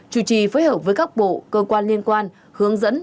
chủ trì phối hợp với các bộ cơ quan liên quan hướng dẫn